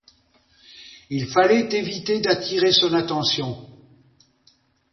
Il fallait éviter d’attirer son attention.